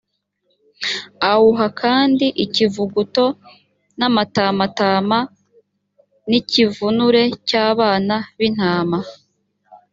awuha kandi ikivuguto n’amatamatama, n’ikinure cy’abana b’intama.